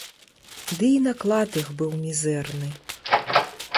Ды і наклад іх быў мізэрны.